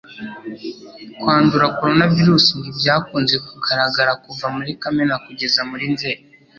Kwandura coronavirusi ntibyakunze kugaragara kuva muri Kamena kugeza muri Nzeri